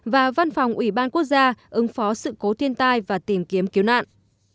và văn phòng ủy ban quốc gia ứng phó sự cố thiên tai và tìm kiếm cứu nạn